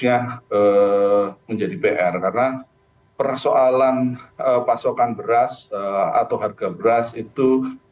yang menjadi pr karena persoalan pasokan beras atau harga beras itu